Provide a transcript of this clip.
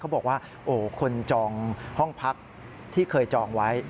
บอกว่าโอ้คนจองห้องพักที่เคยจองไว้